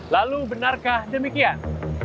lalu benarkah demikian